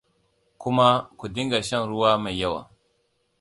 kuma ku dinga shan ruwa mai yawa